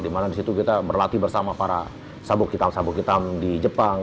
dimana disitu kita berlatih bersama para sabuk hitam sabuk hitam di jepang